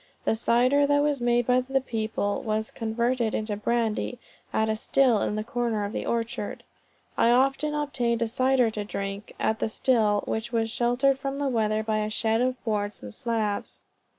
The cider that was made by the people was converted into brandy, at a still in the corner of the orchard. I often obtained cider to drink, at the still, which was sheltered from the weather by a shed, of boards and slabs.